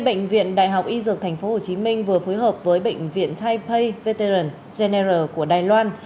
bệnh viện đại học y dược tp hcm vừa phối hợp với bệnh viện taipei veteran general của đài loan